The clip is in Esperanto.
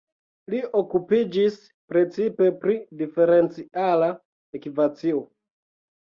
Li okupiĝis precipe pri Diferenciala ekvacio.